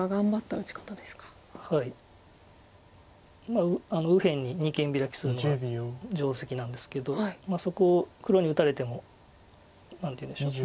まあ右辺に二間ビラキするのが定石なんですけどそこを黒に打たれても何ていうんでしょう。